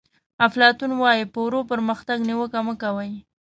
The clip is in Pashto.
افلاطون وایي په ورو پرمختګ نیوکه مه کوئ.